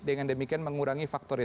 dengan demikian mengurangi faktor pandemi